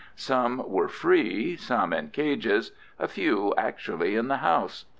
Some were free, some in cages, a few actually in the house.